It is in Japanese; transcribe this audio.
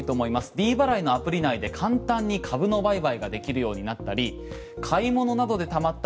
ｄ払いのアプリ内で簡単に株の売買ができるようになったり買い物などで貯まった